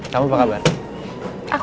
sini aku baik